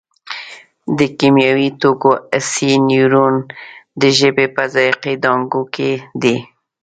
د کیمیاوي توکو حسي نیورون د ژبې په ذایقې دانکو کې دي.